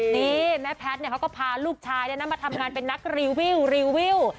นี่แม่แพทย์เขาก็พาลูกชายมาทำงานเป็นนักรีวิวรีวิว